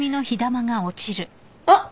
あっ！